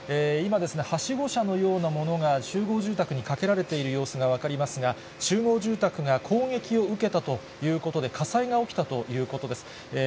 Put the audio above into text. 今、はしご車のようなものが、集合住宅にかけられている様子が分かりますが、集合住宅が攻撃を受けたということで、火災が起きたということです。